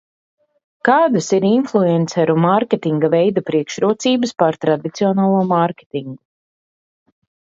Kādas ir influenceru mārketinga veida priekšrocības pār tradicionālo mārketingu?